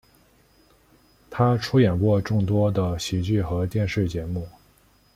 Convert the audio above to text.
他出演过众多的喜剧和电视节目。